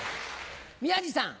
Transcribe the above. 宮治さん。